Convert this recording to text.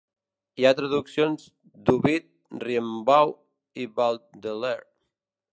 Hi ha traduccions d"Ovid, Rimbaud i Baudelaire.